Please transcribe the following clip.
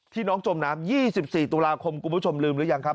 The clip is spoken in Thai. น้องจมน้ำ๒๔ตุลาคมคุณผู้ชมลืมหรือยังครับ